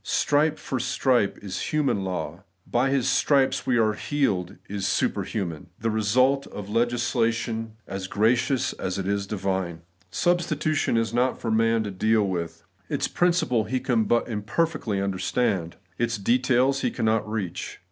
Stripe for stripe is human law ;' by His stripes we are healed ' is superhuman, the result of a legisla tion as gracious as it is divine. Substitution is not for man to deal with : its principle he but imperfectly understands ; its details he cannot reach.